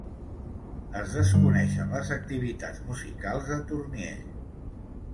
Es desconeixen les activitats musicals de Tournier.